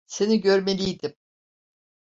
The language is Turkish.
Seni görmeliydim.